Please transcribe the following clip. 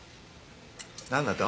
何だと？